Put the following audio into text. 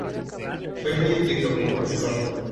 Fue muy estricto como profesor.